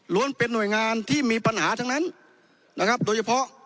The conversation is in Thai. เป็นหน่วยงานที่มีปัญหาทั้งนั้นนะครับโดยเฉพาะ